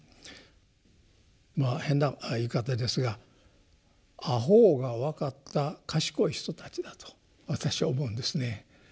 まあ変な言い方ですが「阿呆が分かった賢い人たち」だと私は思うんですね。